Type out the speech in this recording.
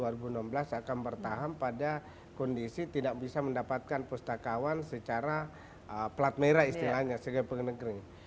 saya tidak mungkin sejak dilantik itu dua ribu enam belas akan bertahan pada kondisi tidak bisa mendapatkan pustakawan secara pelat merah istilahnya sebagai pengenegeri